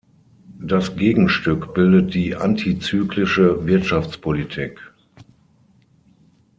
Das Gegenstück bildet die antizyklische Wirtschaftspolitik.